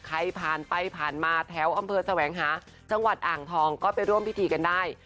ใครผ่านไปผ่านมาแถวอำเภอแสวงหาจังหวัดอ่างทองก็ไปร่วมพิธีกันได้